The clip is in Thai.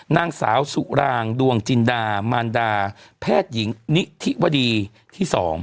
นางสาวสุรางดวงจินดามารดาแพทย์หญิงนิธิวดีที่๒